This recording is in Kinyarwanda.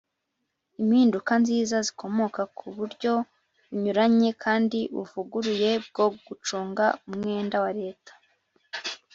impinduka nziza zikomoka ku buryo bunyuranye kandi buvuguruye bwo gucunga umwenda wa leta